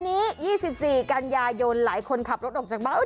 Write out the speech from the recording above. วันนี้๒๔กันยายนหลายคนขับรถออกจากบ้าน